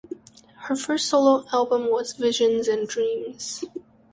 Her first solo album was "Visions and Dreams".